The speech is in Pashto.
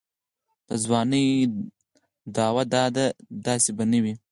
د ځوانۍ دوا دا داسې به نه وي.